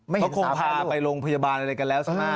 ไม่เห็นสามแม่ลูกเขาคงพาไปโรงพยาบาลอะไรกันแล้ว